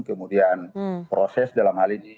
kemudian proses dalam hal ini